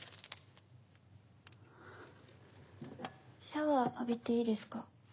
シャワー浴びていいですか？